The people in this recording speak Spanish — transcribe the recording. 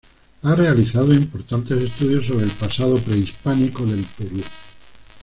Ha realizado importantes estudios sobre el pasado prehispánico del Perú.